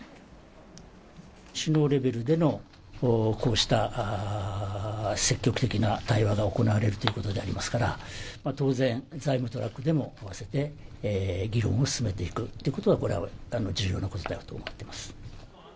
首脳レベルでのこうした積極的な対話が行われるということでありますから、当然、財務トラックでも合わせて議論を進めていくということは、これが重要なことだろうと思っています。